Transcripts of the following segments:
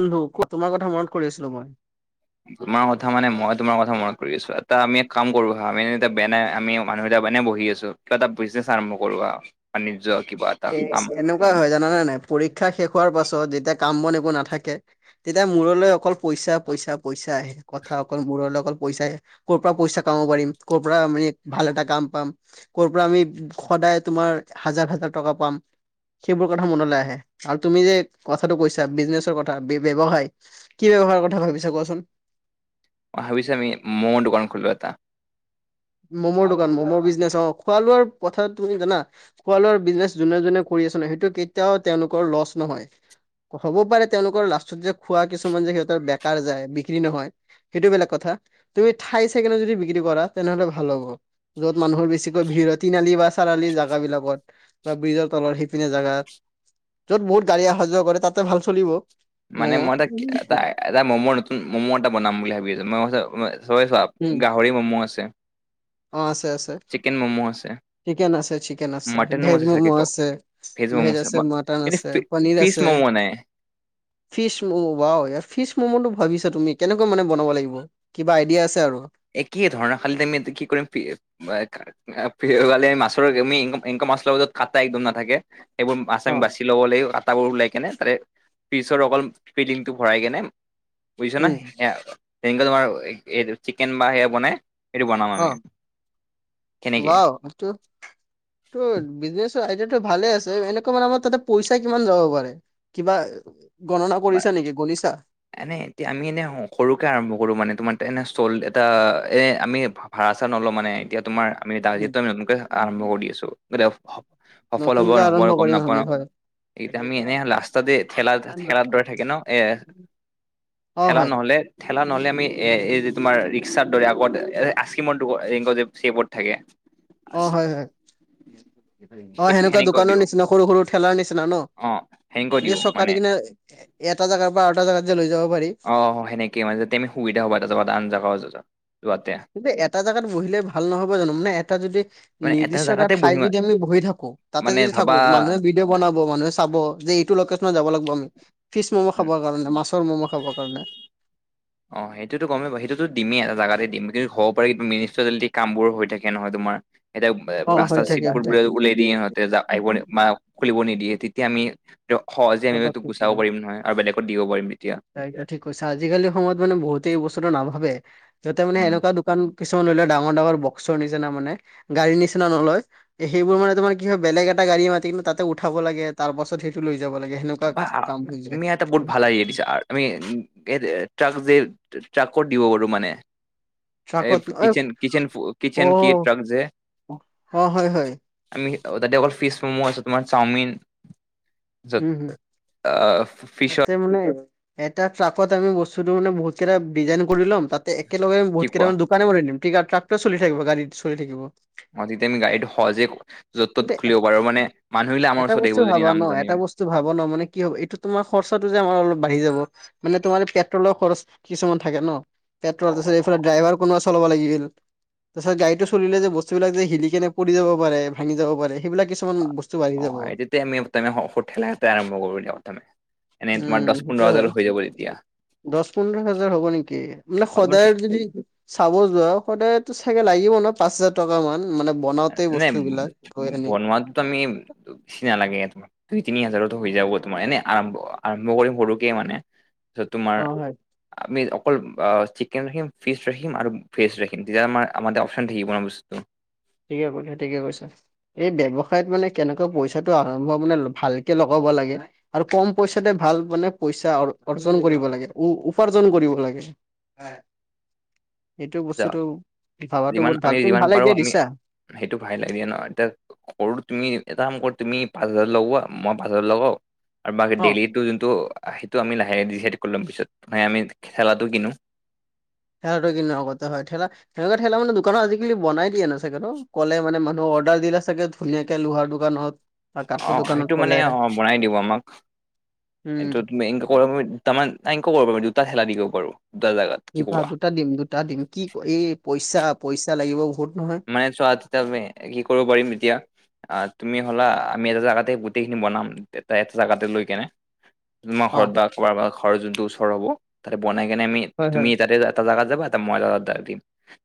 বন্ধু তোমাৰ কথা মনত কৰি আছিলো মই। তোমাৰ কথা মানে মই তোমাৰ কথা মনত কৰি আছো, এটা আমি এক কাম কৰো আহা আমি এতিয়া বেনাই আমি মানুহ এটা বনে বহি আছো। ছো, কিবা এটা বিজনেছ আৰম্ভ কৰো বাণিজ্য কিবা এ এনেকুৱাই হয় জানাই নাই, পৰীক্ষা শেষ হোৱাৰ পাছত যেতিয়া কাম বন একো নাথাকে। তেতিয়া মূৰলৈ অকল পইচা পইচা পইচা আহে কথা অকল মূৰলৈ অকল পইচা আহে। ক'ৰ পৰা পইচা কামাব পাৰিম, ক'ৰ পৰা মান ভাল এটা কাম পাম। কৰ পৰা আমি সদায় তোমাৰ হাজাৰ হাজাৰ টকা পাম। সেইবোৰ কথা মনলৈ আহে আৰু তুমি যে কথাটো কৈছা বিজনেছৰ কথা ব্যৱসায়। কি ব্যৱসায় কথা ভাবিছা কোৱাচোন? ভাবিছো আমি মম দুকান খোলো এটা। ম'মৰ দোকান ম'ম' বিজনেছ অঁ, খোৱা লোৱাৰ কথা তুমি জানা। খোৱা লোৱাৰ, বিজনেচ যোনে যোনে কৰি আছে নহয়, সেইটো কেতিয়াও তেওঁলোকৰ লচ নহয়। হ'ব পাৰে তেওঁলোকৰ লাষ্টত যে খোৱা কিছুমান যে সিহঁতৰ বেকাৰ যায় বিক্ৰী নহয়। সেইটো বেলেগ কথা। তুমি ঠাই চাই কেনে যদি বিক্ৰী কৰা। তেনেহ'লে ভাল হ'ব য'ত মানুহৰ বেছিকৈ ভিৰ হয় তিনআলি বা চাৰআলি জাগা বিলাকত বা ব্ৰিজৰ তলৰ সিপিনে জাগাত য'ত বহুত গাড়ী আহা যোৱা কৰে তাতো ভাল চলিব মানে ম'ম'। মই তাক তাই এটা মম' নতুন ম'ম' এটা বনাম বুলি ভাবি আছো মই চবে চাওক উম। গাহৰি ম'ম' আছে অ আছে আছে চিকেন ম'মো আছে চিকেন আছে চিকেন আছে মটনো ভেজ আছে চাগে ম'মো ক আছে ভেজ আছে মাটন কিন্তু আছে পনীৰ ফিচ আছে। ম'ম নাই ফিচ ম'ম ওৱাও ইয়া ফিচ ম'মটো ভাবিছা তুমি কেনেকৈ মানে বনাব লাগিব কিবা আইডিয়া আছে আৰু একেই ধৰণৰ খালি এতে আমি কি কৰিম ফি এ ফি বালে মাছৰ আমি ইন ইনকা মাছ লম যে কাটা একদম নাথাকে সেবোৰ মাছ আমি বাছিম ল'ব লাগিব কাটাবোৰ ওলাই কেনে তাতে পিছৰ অকল ফিলিংটো ভৰাই কিনে বুজিছ না উম সেয়া তেনেকা তোমাৰ এ এইটো চিকেন বা সেয়া বনাই সেইটো বনাম আমি অ' সেনেকে ওৱাউ এটো তো বিজনেছৰ আইডিয়াটো ভালে আছে এনেকুৱা মানে আমাৰ তাতে পইচা কিমান যাব পাৰে কিবা গণনা কৰিছা নিকি গনিছা এনে এতিয়া আমি এনে সৰুকে আৰম্ভ কৰো মানে তোমাৰ এনে চল এটা এ আমি ভাড়া চাড়া নলও মানে এতিয়া তোমাৰ আমি উম টাৰগেটতো আমি সোনকালে আৰম্ভ কৰি আছো সফল হ'ব নতুনকে নহ'ব আৰম্ভ আৰু গম কৰিম নাপাওঁ আমি হয় ইতা আমি এনেই ৰাস্তাতে ঠেলা ঠেলাৰ দৰে থাকে ন এ অ ঠেলা হয় নহ'লে ঠেলা নহ'লে আমি এ এই যে তোমাৰ ৰিক্সাৰ দৰে আগত এ আইচক্ৰীমৰ দো ৰেংক চেপত থাকে অ' হয় হয় অ' সেইটো সেনেকুৱা সেনেকৈ দোকানৰ দিওঁ নিচিনা সৰু সৰু ঠেলাৰ নিচিনা ন অ সেনেকৈ এতিয়া দিওঁ চকা মানে দিকিনে এটা জাগাৰ পা আৰু এটা জাগাত যে লৈ যাব পাৰি অ' সেনেকে মানে তে আমি সুবিধা হ'ব এটা জগা আন জাগা যাৱা যোৱাতে কিন্তু এটা জাগাত বহিলে ভাল নহব জানো মানে এটা যদি মানে নিৰ্দিষ্ট এটা জেগাতে ঠাই বহিম যদি আমি বহি থাকো তাতে মানে যদি থাকো মানুহে ভাবা বি কে বনাব মানুহ চাব যে এইটো লকেচনত যাব লাগিব আমি ফিচ ম'ম' খাবৰ কাৰণে মছৰ ম'ম' খাব- কাৰণে অ' সেইটোতো গমেই পাও সেইটো দিমেই এটা জাগাতে দিম কিন্তু হ'ব পাৰে মিনিষ্টাৰিলেটি কামবোৰ হৈ থাকে নহয় তোমাৰ এতিয়া অ ৰাস্তা হৈ থাকে চিটবোৰ হৈ থাকে ওলাই সিহতে যা আহিব বা খুলিব নিদিয়ে তেতিয়া আমি ত সহজে আমি সেটো পটককে গুচাব কৰে পাৰিম নহয় আৰু বেলেগত দিব পাৰিম তেতিয়া ঠিক কৈছা আজিকালি সময়ত মানে বহুতে এইবস্তুটো নাভাবে যতে মানে উম, এনকা দো কাণ কিছুমান লৈ লয় ডাঙৰ ডাঙৰ বক্সৰ নিচিনা মানে গাড়ী নিচিনা নলয় সেইবোৰ মানে তোমাৰ কি হয় বেলেগ এটা গাড়ী মাতি কিন্তু তাতে উঠাব লাগে তাৰ পাছত সে টো লৈ যাব লাগে সেনেকুৱা বা আ- কাম হৈ যায় তুমি এটা বহুত ভাল আইডিয়া দিছা আ- আমি উ এ ট্ৰাক যে ট্ৰা ট্ৰাকত দিব পাৰো মানে এই ট্ৰাকত কিচেন কিচেন অ', কিচেন কিএ ট্ৰাক যে অ', হয়, হয়, আমি তাতে অকল ফিচ ম'ম' আছে তোমাৰ চাওমিন হুম অ ফিছৰ মানে এটা ট্ৰাকত আমি বস্তুটো মানে বহুতকেইটা ডিজাইন কৰি ল'ম তাতে একেলগে কি বহুত কোৱা কেইটামান দোকানে বনাই দিম ট্ৰে ট্ৰাকটো চলি থাকিব গাড়ীটো চলি থাকিব অ তেতিয়া আমি গাড়ীটো সহজে য'ত ত'ত কিন্তু খুলিব পাৰো মানে মানুহবিলাক আমাৰ ওচৰত আহিব যদি নাম জানে তো ভাব ন মানে কি হব এইটো তোমাৰ খৰচাটো যে আমাৰ অলপ বাঢ়ি যাব। মানে তোমাৰ পেট্ৰলৰ খৰচ কিছুমান থাকে ন। অ পেট্ৰলত আছিল এইফালে ড্ৰাইভাৰ কোনোবা চলাব লাগিল। তাৰ পিছত গাড়ীটো চলিলে যে বস্তুবিলাক হিলি কেনে পৰি যাব পাৰে ভাঙি যাব পাৰে সেইবিলাক ইচ কিছুমান বস্তু বাঢ়ি যাব। তে মিউক তেনে ওষদ থেলাতে আৰম্ভ কৰো তেনেহলে। উম সেইটোৱে হয়। দচ পোন্ধৰ হাজাৰ হ'ব নেকি বোলে অ তোমাৰ সদায় যদি চাব যোৱা আৰু সদায়েটো চাগে লাগিব ন পাঁচ হাজাৰ টকা মান বনাওতে এনেই বস্তুবিলাক গৈ আনি বনোৱাতোত আমি ছি নালাগে এই তোমাক দুই তিনি হাজাৰতো হৈ যাব তোমাৰ এনে আৰম্ভ আৰম্ভ কৰিম সৰুকেই মানে তো অ তোমাৰ- হয় আমি অকল চিকেন ৰাখিম ফিচ ৰাখিম আৰু ভেজ ৰাখিম তেতিয়া আমাৰ আমাটা অপচন থাকিব ন বস্তুটো। ঠিকে কৈছে ঠিকে কৈছে। এই ব্যৱসায়ত মানে কেনেকৈ পইচাটো আৰম্ভ মানে ভালকে লগাব লাগে আৰু কম পইচাতে ভাল মানে পইচা অৰ্জন কৰিব লাগে উ উপাৰ্জন কৰিব লাগে। এইটো বস্তুটো ভাবাটো যিমান বহুত ভাল আমি তুমি যিমান পাৰো ভালেকে আমি দিছা। সেইটো ভায়েল এৰিয়া নহয় এতিয়া সৰু তুমি এটা কাম কৰো তুমি পাঁচ হাজাৰ লগোৱা মই পাঁচ হাজাৰ লগাও আৰু বাকী অ ডেইলিটো টো সেইটো আমি লাহে দিহে কৰি লম পিছত মানে আমি খেলাটো কিনো। খেয়াটো কিন কৈত হয় থেলা সেনকা থেলা মানে দোকানত আজিকালি বনাই দিয়ে ন চাগেতো কলে মানে মানুহক অৰ্ডাৰ দিলে চাগে ধুনীয়াকে লোহাৰ দোকানত হক অঁ সেইটো মানে অঁ বনাই দিব আমাক উম এইটো তুমি তামান তেংকো কৰিব পাৰিম দুটা খেলা দিব পাৰো কি দুটা কোৱা দুটা টিম দুটা টিম কি এই পইচা পইচা লাগিব বহুত নহয়। মানে চোৱা তেতিয়া তুমি কি কৰিব পাৰিম এতিয়া আ তুমি হ'লা আমি এটা জেগাতে গোটেইখিনি বনাম এটা এটা জাগাতে লৈ কেনে। তোমা অ ঘৰত বা কোৱাবা ঘৰ যোনটো ওচৰ হ'ব তাতে বনাই কেনে আমি হয় হয় তুমি তাতে যা টা জাগাত যাবা এটা মজাৰ দি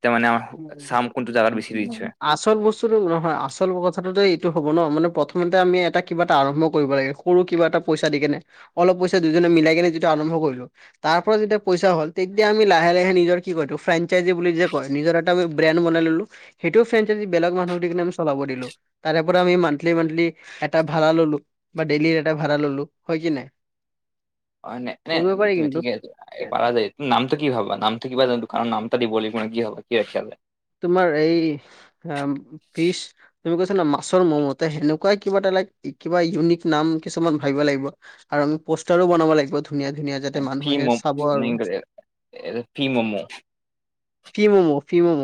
তে মানে উম চাম কোনটো জাগাত বেছি ৰিচ হয়। [unintelligible] আচল বস্তুটো নহয় আচল কথাটোতে এইটো হ'ব ন মানে প্ৰথমতে আমি এটা কিবা এটা আৰম্ভ কৰিব লাগে। কৰো কিবা এটা পইচা দি কেনে অলপ পইচা দুজনে মিলাই কেনে যেতিয়া আৰম্ভ কৰিলো তাৰ পৰা যেতিয়া পইচা হ'ল তেতিয়া আমি লাহে লাহে নিজৰ কি কয় এইটো ফ্ৰেঞ্চাইজি বুলি যে কয় নিজৰাত তাবা ব্ৰেণ্ড বনাই ললো সেইটোও ফ্ৰেঞ্চাইজি বেলেগ মানুহক দি কিনে আমি চলাব দিলো। তাৰে পৰা আমি মান্থলি মান্থলি এটা ভাড়া ললো। বা ডেইলিৰ এটা ভাড়া ললো হয় কি নাই। অই নাই নাই কৰিব পাৰি তুমি কিন্তু ঠিকে আছে। পাৰা যায় ত নামটো কি ভাবা নামটো কিবা এটা দখা নাম এটা দিব লাগিব নহয় কি ভাবা কি ৰাখা যায়। তোমাৰ এই অঁ পিচ- তুমি কৈছা না মাছৰ মোমতে সেনেকুৱাই কিবা এটা লাইক কিবা ইউনিক নাম কিছুমান ভাবিব লাগিব। কাৰণ পোষ্টাৰো বনাব লাগিব তো। ধুনীয়া ধুনীয়া যাতে ফ্ৰী মানুহে মম চাব আৰু। ফ্ৰী মম' কি মোম, ফি মম'।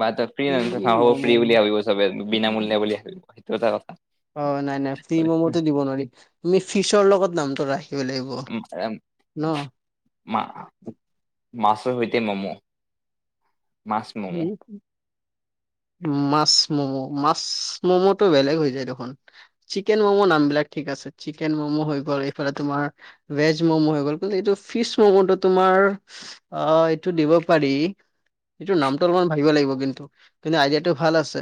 বা তই ফ্ৰী ন ফি হব ফ্ৰী বুলি ম'ম' ভাবিব চবে বিনামূলিয়া বুলি ভাবিব সেইটো এটা কথা। অ নাই নাই ফ্ৰীম মতে দিব নোৱাৰিম তুমি ফিচৰ লগত নামটো ৰাখিব লাগিব। উম এ মা মাছৰ সৈতে মম'। মাছ মম' উম। মাছ ম'ম' মাছ ম'ম'টো বেলেগ হৈ যায় দেখোন। চিকেন ম'মো নামবিলাক ঠিক আছে চিকেন ম'মো হৈ গ'ল এইফালে তোমাৰ। ভেজ ম'ম' হৈ গ'ল কিন্তু এইটো ফিচ ম'ম'টো তোমাৰ অ এইটো দিব পাৰি। সেইটো নামটো অলপমান ভাবিব লাগিব কিন্তু কিন্তু আইডিয়াটো ভাল আছে।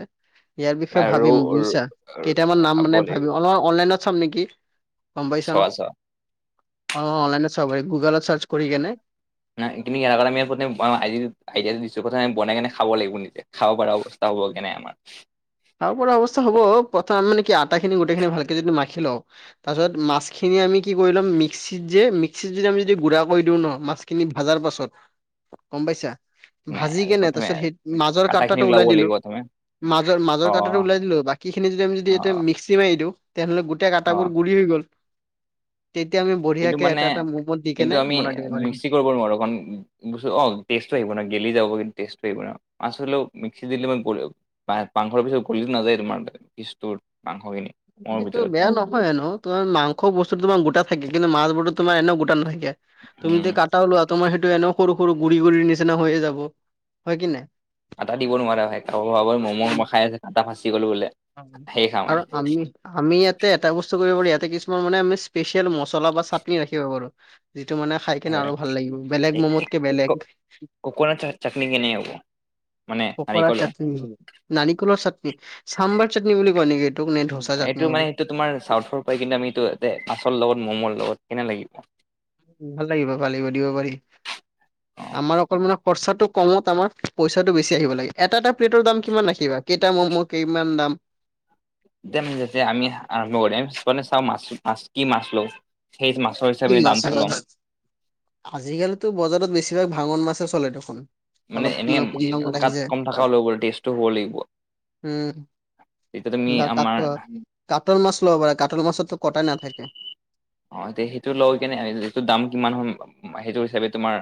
ইয়াৰ বা বিষয়ে ৰৌ ভাবিম বুজিছা কেইটামান নাম ভাবিব মানে লাগিব ভাবিম অলপ অনলাইনত। চাম নেকি গম পাইছা চোৱা ন। চোৱা অ অনলাইনে চবে গুগলত চাচ কৰি কেনে। নাই তুমি এ আ। আইয়া দিছু কথা আমি বনাই কেনে খাব লাগিব নিজে খাব পৰা অৱস্থা হ'ব কেনে আমাৰ। তাৰপৰা অৱস্থা হ'ব প্ৰথম মানে কি আটা খিনি গোটেই খিনি ভালকে যদি মাখি লও। তাৰ পিছত মাছখিনি আমি কি কৰি ল'ম মিক্সিত যে মিক্সিত যদি আমি যদি গুড়া কৰি দিওঁ ন মাছ। কিনি ভাজাৰ পাছত গম পাইছা। নাই ভাজি কেনে প্ৰথমে তাৰপিছত সেই মাজৰ কাটা খিনি কাটাটো ওলাব ওলাই দিলো লাগিব তুমি মাজৰ অ মাজৰ। কাটাটো ওলাই দিলো বাকিখিনি যদি আমি যদি এয়া অ মিক্সি মাৰি দিওঁ তেনেহলে গোটেই কাটা অ বোৰ গুড়ি হৈ গ'ল। তেতিয়া আমি বু। কিন্তু মানে কিন্তু আমি পাৰিম মিক্সি কৰিব নোৱাৰো এ। অ টেষ্টটো আহিব ন গেলি যাব কিন্তু টেষ্টটো আহিব ন মাছ হলেও মিক্সি দিলে মই। মা মাংসৰ পিছত গলিো নাযায় তোমাৰ কিছুৰ মাংসখিনি। মোৰ সেইটো ভিতৰত বেয়া নহয়নো। তোম মাংস্তু তোমাৰ গোটা থাকে কিন্তু মাছসু তোমাৰ এনেও গোটা নাথাকে তুমিদি ক। উম কটাওলোৱা তমাৰ সেইটো এনে সৰু সৰু গুৰি গুৰি নিচিনা হৈয়ে যাব হয় কি নাই। আটা দিব নোৱাৰে ভ মম উম মম খাই আছে আটা ফচি গ'লো বোলে। সেই খাওঁৱে আৰু আমি। আমি ইয়াতে এটা বস্তু কৰিব পাৰো ইয়াতে কিছুমান মানে আমি স্পেচিয়েল মছলা বা চাটনি ৰাখিব পাৰো। যিটো মানে খাই কিনে হয় আৰু ভাল লাগিব বেলেগ ম'মতকে বেলেগ। ককনা চাটনি কিনেব। পকৰা চাটনি, নাৰিকলৰ চাটনি, চাম্বাৰ চাটনি বুলি কয় নেকি এইটোক নে ধচ। এইটো মানে সেইটো তোমাৰ চাউথৰ পৰাই কিন্তু আমি এইটো মাছৰ লগত ম'ম' লগত কেনে লাগিব। ভাল লাগিব পালিব দিব পাৰি। অ। আমাৰ অকল মানে খৰচাটো কমত আমাৰ পইচাটো বেছি আহিব লাগে এটা এটা প্লেটৰ দাম কিমান ৰাখিবা। কেইটা ম'ম' কেইমান দাম। যে আমি চাওঁ মাছ মাছ কি মাছলো সেই মাছ। কি মাছ আজিকালিতো বজাৰত বেছিভাগ ভাঙন মাছে চলে দেখোন। অলপ মানে কাত লিছে কম তাত থকাও ল'ব টেষ্টটো হ'ব লাগিব। উম। তেতিয়া তুমি বা ক আমাৰ কাটৰ মাছ লব পাৰে কাটৰ মাছৰতো কটাই না থাকে। অ এতিয়া সেইটো লওঁ কেনে এইটো দাম কিমান হ সেইটো হিচাপে তোমাৰ।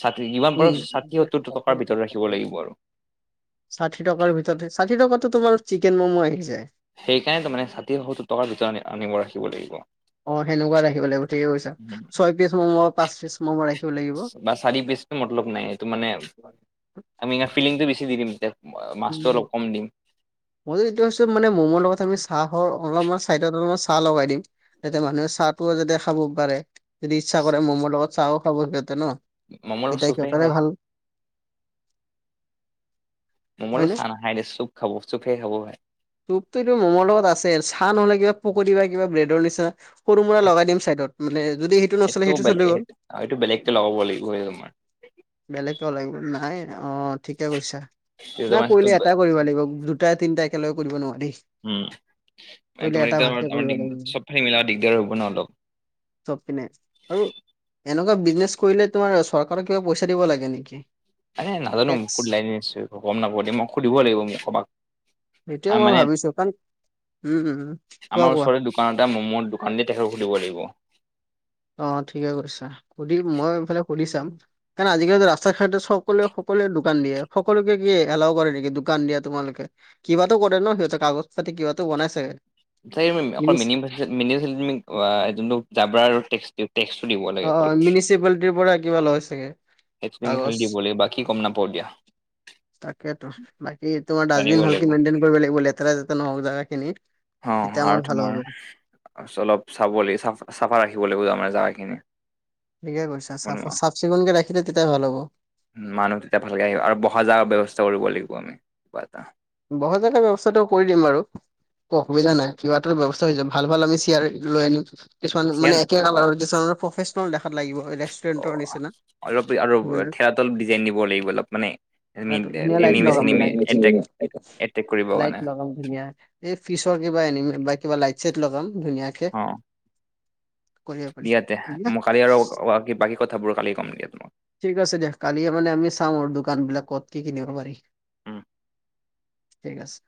ষাঠি যিমান পাৰো উম ষাঠি সত্তৰ টকাৰ ভিতৰত ৰাখিব লাগিব আৰু। ষাঠি টকাৰ ভিতৰতে ষাঠিটকাতো তোমাৰ চিকেন ম'মো আহি যায়। সেইকাৰণে তাৰ মানে হয়তো টকাৰ ভিতৰতণ আনিব ৰাখিব লাগিব। অ সেনেকুৱা ৰাখিব লাগিব ঠিকে কৈছো ছয় পিচ ম'ম' পাঁচ পিচ মম' ৰাখিব লাগিব। বা চাৰি পিচটো মতলব নাই সেইটো মানে। আমিই, ফিলিংটো বেছি দিম এতিয়া, মাছটো অলপ কম দিম। মই এইটোছো মানে ম'মৰ লগত, আমি চাহৰ অলপ চাইত অলপমান চাহ লগাই দিম। যাতে মানুহে চাহটোও যাতে খাব পাৰে, যদি ইচ্ছা কৰে মমৰ লগত চাহও খাব সিহঁতে ন, ম'ম আৰু তেতিয়া চুপ হে সিহঁতৰে খায়। ভাল ম'ম লগত হয়নে চাহ নাখায় দে, চুপ খাব চুপহে খাব। চুপতো এনেও ম'মৰ লগত আছে, চাহ নহ'লে কিবা পকৰি, বা কিবা ব্ৰেডৰ নিচিনা সৰু- মুৰা লগাই দিম চাইডত। [inaudible] যদি নচলে সিটো‌ সেইটো চলি গ'ল বেলেগ, বেলেগকে লগাব লাগিব। বেলেগে লাগিব নাই অ, ঠিকে কৈছা, তোমাৰ তেতিয়া নাই মানে সেইটো কৰিলে এটাই কৰিব লাগিব যো দুটা, তিনিটা একেলগে কৰিব নোৱাৰি। উম, মানে কৰিলে তোমাৰ এটা এতিয়া, ভালকে কৰিব আমাৰ লাগিব। চবফালে মিলাব দিগদাৰ হ'ব ন, অলপ। চব পিনে, আৰু এনেকুৱা বিজনেছ কৰিলে, তোমাৰ চৰকাৰক কিবা পইচা দিব লাগে নেকি? এ, নাজানো টেক্স [inaudible] গম নাপাও দেই, মই সুধিব লাগিব, মুখৰ পৰা। সেইটোয়ে মই ভাবিছো, কাৰণ উম, উম, কোৱা, কোৱা। দোকানতে ম'ম' দোকান দি, তেখেত সুধিব লাগিব। অ, ঠিকে কৰিছা, সুধিম মই এইফালে সুধি চাম। কাৰণ আজিকালিতো ৰাস্তাৰ চাইদত চ'ব, সকলোৱে, সকলোৱে দোকান দিয়ে সকলোকে কি এলাও কৰে নেকি? দোকান দিয়া তোমালোকে। কিবাতো কৰে ন, সিহঁতে কাগজ পাতি কিবাতো বনাই চাগে। মিনি [unintelligible] অ, মিউনিচিপালিটিৰ পৰা কিবা লয় চাগে। কাগজ [unintelligible] বাকি গম নাপাওঁ এতিয়া। তাকেইতো বাকী তোমাৰ জানিব ডাষ্টবিন লাগিব ভালকে মেইনটেইন কৰিব লাগিব, লেতেৰা-চেতেৰা নহওঁক জেগাখিনি। অ, আৰু তোমাৰ, চলপ চাব, লে, চাফা ৰাখিব লাগিব মানে জোগা খিনি। ঠিকে কৈছা, চাফ- চাফ চিকুণকে ৰাখিলে তেতিয়া ভাল হ'ব। মানুহ তেতিয়া ভালকে আহিব, আৰু বহা যেগা ব্যৱস্থা কৰিব লাগিব আমি কিবা এটা। বহা যেগা ব্যৱস্থাটো কৰি দিম বাৰু। ত, অসুবিধা নাই, কিবা এটা ব্যৱস্থা হৈ যাব ভাল, ভাল আমি চেয়াৰ লৈ আনিম। কিছুমান মানে চিয়ান একোল কিছুমান প্ৰফেচনেল দেখাত লাগিব, ৰেষ্টুৰেণ্টৰ নিচিনা। অলপ আৰু ঠেলাতল ডিজাইন দিব লাগিব, অলপ মানে ধুনীয়া লাইট লগাম এনিমি-চেনেমি এট্ৰেক। লাইট এট্ৰেক কৰিব লাইট কাৰানে। ধুনীয়া এই ফিচৰ কিবা এনিমেল বা কিবা লাইট- চাইট লগাম ধুনীয়া অ, দিয়া তে, পাৰি মো, কালি আৰু বাকী কথাবোৰ কালি কম দিয়া, তোমাক ঠিক আছে দিয়া, কালিয়ে মানে আমি চাম আৰু দোকান বিলাক ক'ত কি কি দিব পাৰি। ঠিক আছে।